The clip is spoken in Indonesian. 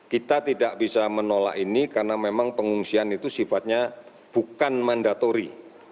kita tidak bisa menolak ini karena memang pengungsian itu sifatnya bukan mandatori